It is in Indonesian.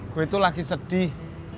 gue itu lagi sedih